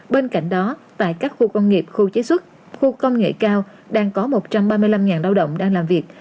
bên cạnh đó tại các khu công nghiệp khu chế xuất khu công nghệ cao đang có một trăm ba mươi năm lao động đang làm việc